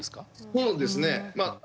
そうですね。